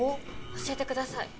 教えてください。